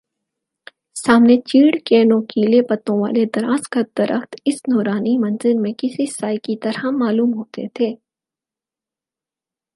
سامنے چیڑ کے نوکیلے پتوں والے دراز قد درخت اس نورانی منظر میں کسی سائے کی طرح معلوم ہوتے تھے